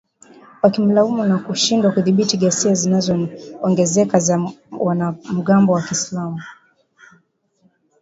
wakimlaumu kwa kushindwa kudhibiti ghasia zinazoongezeka za wanamgambo wa kiislamu